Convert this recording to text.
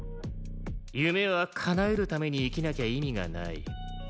夢はかなえるために生きなきゃ意味がない。